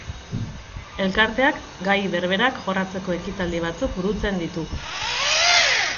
Elkarteak gai berberak jorratzeko ekitaldi batzuk burutzen ditu.